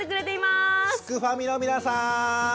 すくファミの皆さんどうも。